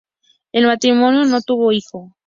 El matrimonio no tuvo hijo.